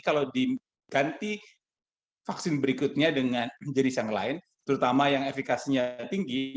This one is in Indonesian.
kalau diganti vaksin berikutnya dengan jenis yang lain terutama yang efekasinya tinggi